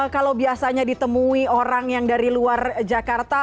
kalau biasanya ditemui orang yang dari luar jakarta